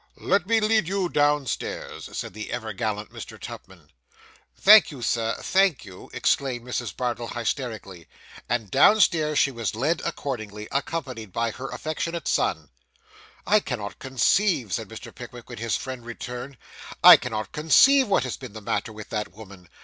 'Let me lead you downstairs,' said the ever gallant Mr. Tupman. 'Thank you, sir thank you;' exclaimed Mrs. Bardell hysterically. And downstairs she was led accordingly, accompanied by her affectionate son. 'I cannot conceive,' said Mr. Pickwick when his friend returned 'I cannot conceive what has been the matter with that woman.